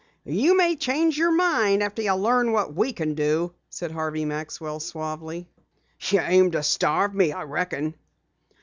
"You may change your mind after you learn what we can do," said Harvey Maxwell suavely. "You aim to starve me, I reckon."